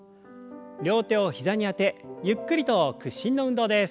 両手を膝にあてゆっくりと屈伸の運動です。